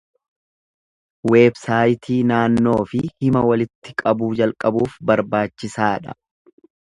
Weebsaayitii naannoo fi hima walitti qabuu jalqabuuf barbaachisaadha.